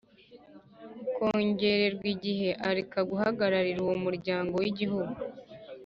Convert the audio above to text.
kongererwa igihe Areka guhagararira uwo muryanga wigihugu